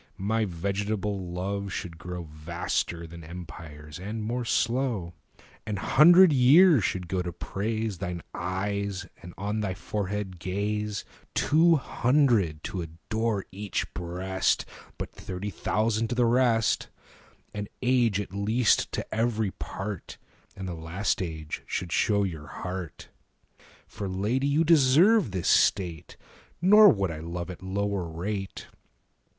10 My vegetable love should grow Vaster than empires, and more slow; An hundred years should go to praise Thine eyes and on thy forehead gaze; Two hundred to adore each breast, 15 But thirty thousand to the rest; An age at least to every part, And the last age should show your heart. For, Lady, you deserve this state, Nor would I love at lower rate.